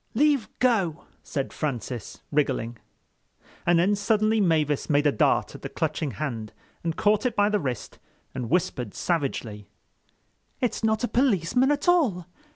"Leave go," said Francis, wriggling. And then suddenly Mavis made a dart at the clutching hand and caught it by the wrist and whispered savagely: "It's not a policeman at all.